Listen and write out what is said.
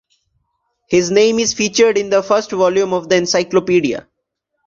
His name is featured in the first volume of the encyclopedia.